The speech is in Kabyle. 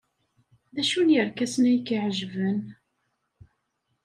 D acu n yerkasen ay k-iɛejben?